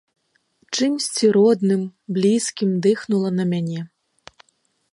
Чымсьці родным, блізкім дыхнула на мяне.